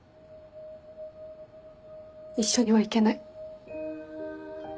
一緒には行けない。